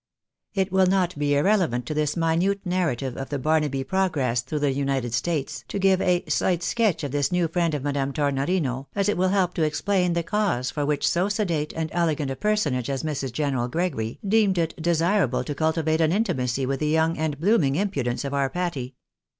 It will not be irrelevant to this minute narrative of the Barnaby progress through the United States, to give a slight sketch of this new friend of Madame Tornorino, as it will help to explain the cause for which so sedate and elegant a personage as Mrs. General Gregory deemed it desirable to cultivate an intimacy with the young and blooming impudence of our Patty.